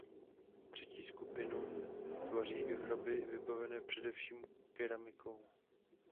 Třetí skupinu tvoří hroby vybavené především keramikou.